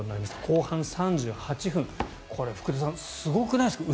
後半３８分福田さん、すごくないですか。